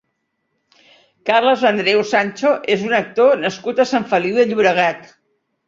Carles Andreu Sancho és un actor nascut a Sant Feliu de Llobregat.